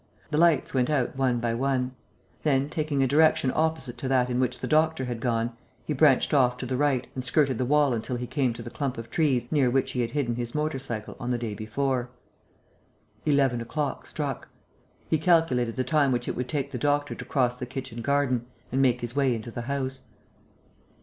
The lights went out one by one. Then, taking a direction opposite to that in which the doctor had gone, he branched off to the right and skirted the wall until he came to the clump of trees near which he had hidden his motor cycle on the day before. Eleven o'clock struck. He calculated the time which it would take the doctor to cross the kitchen garden and make his way into the house.